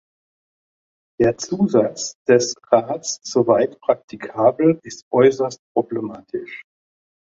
Der Zusatz des Rats "soweit praktikabel" ist äußerst problematisch.